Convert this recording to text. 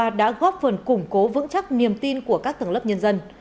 quốc gia đã góp phần củng cố vững chắc niềm tin của các tầng lớp nhân dân